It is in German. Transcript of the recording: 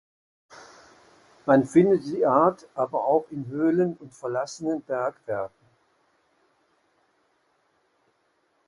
Man findet die Art aber auch in Höhlen und verlassenen Bergwerken.